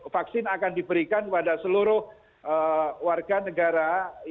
vaksin akan diberikan kepada seluruh warga negara